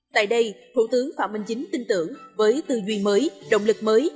tại đây thủ tướng phạm minh chính tin tưởng với tư duy mới động lực mới